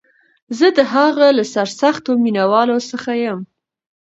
زه د هغه له سرسختو مینوالو څخه یم